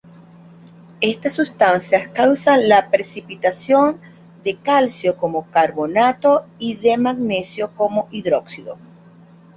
Estas sustancias causan la precipitación del Ca como carbonato y del Mg como hidróxido.